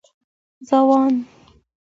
ځوان